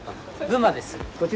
群馬です。